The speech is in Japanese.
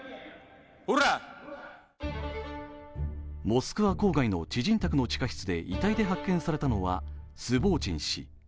モスクワ郊外の知人宅の地下室で遺体で発見されたのはスボーチン氏。